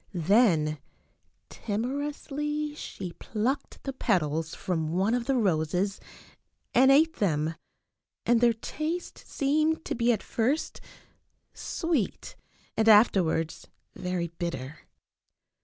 Then timorously she plucked the petals from one of the roses and ate them, and their taste seemed to be at first sweet and afterwards very bitter.